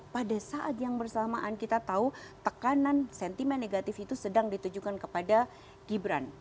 pada saat yang bersamaan kita tahu tekanan sentimen negatif itu sedang ditujukan kepada gibran